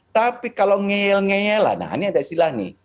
tapi kalau ngeyel ngeyel lah nah ini ada istilah nih